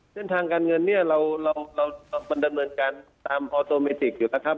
เส้นทางการเงินเราบรรดาเงินการตามออโตเมติกอยู่แล้วครับ